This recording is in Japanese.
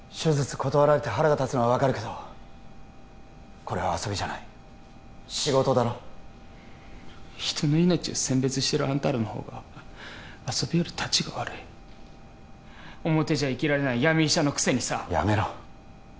断られて腹が立つのは分かるけどこれは遊びじゃない仕事だろ人の命を選別してるあんたらの方が遊びよりタチが悪い表じゃ生きられない闇医者のくせにさやめろ